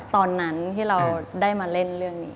ตอนนั้นที่เราได้มาเล่นเรื่องนี้